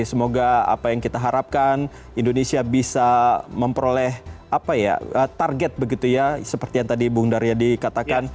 semoga apa yang kita harapkan indonesia bisa memperoleh target begitu ya seperti yang tadi bung daryadi katakan